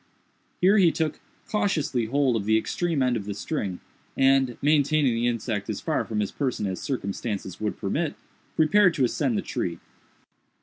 Here he took cautiously hold of the extreme end of the string, and, maintaining the insect as far from his person as circumstances would permit, prepared to ascend the tree.